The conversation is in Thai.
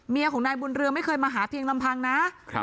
เมียของนายบุญเรือไม่เคยมาหาเพียงลำพังนะ